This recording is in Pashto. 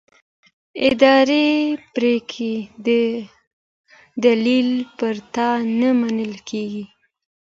اداري پریکړې د دلیل پرته نه منل کېږي.